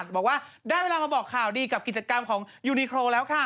บอกว่าได้เวลามาบอกข่าวดีกับกิจกรรมของยูนิโครแล้วค่ะ